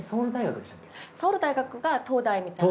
ソウル大学が東大みたいな。